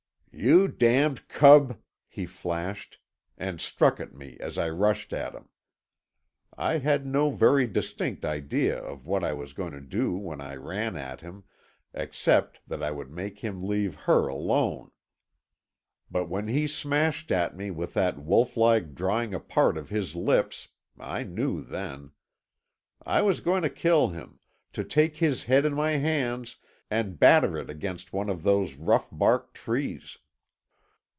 "You damned cub!" he flashed, and struck at me as I rushed at him. I had no very distinct idea of what I was going to do when I ran at him, except that I would make him leave her alone. But when he smashed at me with that wolf like drawing apart of his lips—I knew then. I was going to kill him, to take his head in my hands and batter it against one of those rough barked trees.